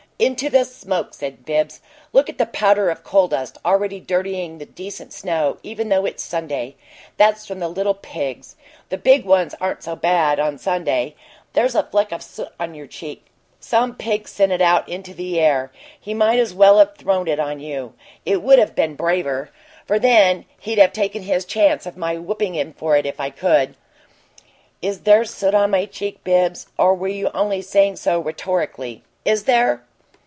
"Into the smoke," said Bibbs. "Look at the powder of coal dust already dirtying the decent snow, even though it's Sunday. That's from the little pigs; the big ones aren't so bad, on Sunday! There's a fleck of soot on your cheek. Some pig sent it out into the air; he might as well have thrown it on you. It would have been braver, for then he'd have taken his chance of my whipping him for it if I could." "IS there soot on my cheek, Bibbs, or were you only saying so rhetorically? IS there?"